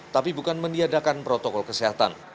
tapi bukan meniadakan protokol kesehatan